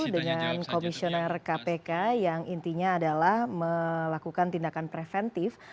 dengan komisioner kpk yang intinya adalah melakukan tindakan preventif